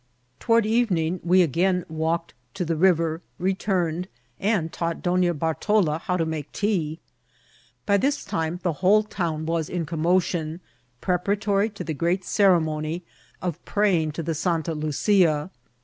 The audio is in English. Toward evening we again walked to the river, re turned, and taught Donna Bartola how to make tea. By this time the whole town was in commotion pre paratory to the great oeremcmy ot {paying to the Santa 6 $% IMCIDXNTf OF TEATXL. Lucia.